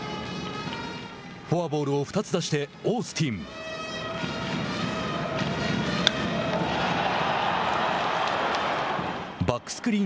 フォアボールを２つ出してオースティン。